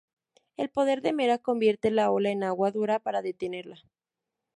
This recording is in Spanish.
El poder de Mera convierte la ola en agua dura para detenerla.